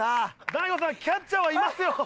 大悟さんキャッチャーはいますよ。